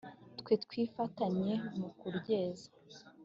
twe twifatanye mu kuryeza